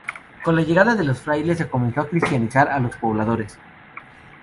Con la llegada de los frailes, se comenzó a cristianizar a los pobladores.